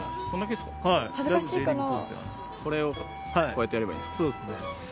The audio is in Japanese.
これをこうやってやればいいんですか？